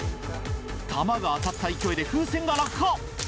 弾が当たった勢いで風船が落下